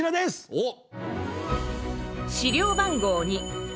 おっ！